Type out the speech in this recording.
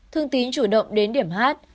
thương tín chủ động đến điểm hát